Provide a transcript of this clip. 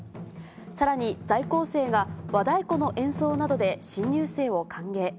さらに在校生が和太鼓の演奏などで新入生を歓迎。